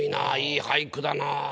良い俳句だな。